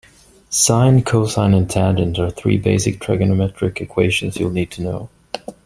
Sine, cosine and tangent are three basic trigonometric equations you'll need to know.